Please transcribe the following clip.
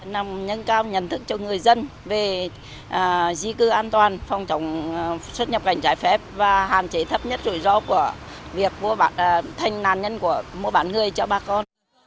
trao nhận thức cho người dân về di cư an toàn phòng trọng xuất nhập cảnh trái phép và hàn chế thấp nhất rủi ro của việc thành nàn nhân của mỗi bản người cho bà con